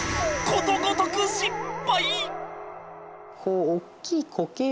ことごとく失敗！